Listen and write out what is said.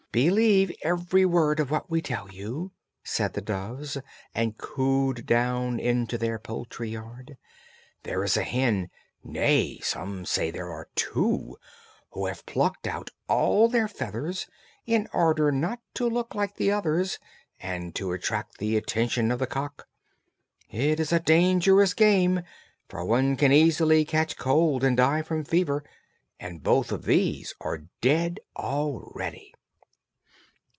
"Believe every word of what we tell you," said the doves, and cooed down into their poultry yard. "There is a hen nay, some say that there are two who have plucked out all their feathers, in order not to look like the others, and to attract the attention of the cock. It is a dangerous game, for one can easily catch cold and die from fever, and both of these are dead already."